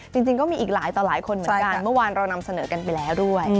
จริงก็มีอีกหลายต่อหลายคนเหมือนกันเมื่อวานเรานำเสนอกันไปแล้วด้วย